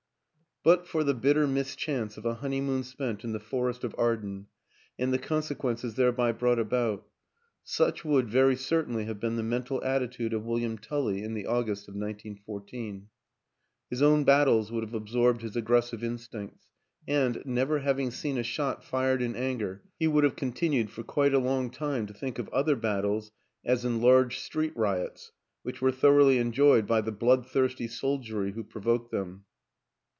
But for the bitter mischance of a honeymoon spent in the Forest of Arden and the consequences thereby brought about, such would, very certainly, have been the mental attitude of William Tully in the August of 1914. His own battles would ( have absorbed his aggressive instincts, and, never having seen a shot fired in anger, he would have continued, for quite a long time, to think of other battles as enlarged street riots which were thoroughly enjoyed by the bloodthirsty soldiery who provoked them.